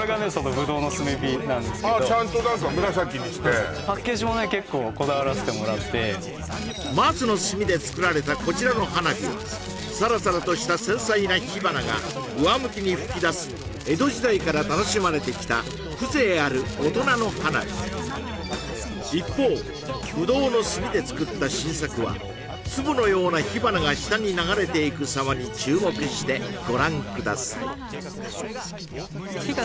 葡萄の炭火なんですけどああちゃんと何か紫にしてパッケージもね結構こだわらせてもらって松の炭で作られたこちらの花火はサラサラとした繊細な火花が上向きに噴き出す江戸時代から楽しまれてきた風情ある大人の花火一方葡萄の炭で作った新作は粒のような火花が下に流れていくさまに注目してご覧ください